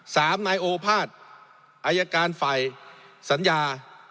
๓นายโอภาษย์อายการไฟสัญญา